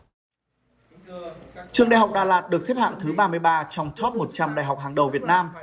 trường đại học đà lạt được xếp hạng thứ ba mươi ba trong top một trăm linh đại học hàng đầu việt nam